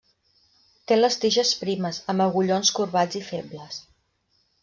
Té les tiges primes, amb agullons corbats i febles.